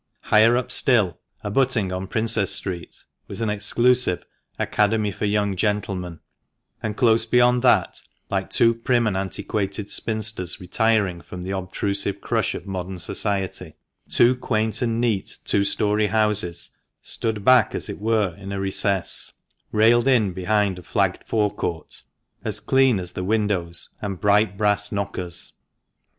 Higher up still, abutting on Princess Street, was an exclusive "Academy for young gentlemen," and close beyond that, like two prim and antiquated spinsters retiring from the obtrusive crush of modern society, two quaint and neat two storey houses stood back as it were in a recess, railed in behind a flagged forecourt, as clean as the windows and bright brass knockers.